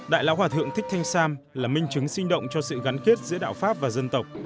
đại lão hòa thượng thích thanh sam là minh chứng sinh động cho sự gắn kết giữa đạo pháp và dân tộc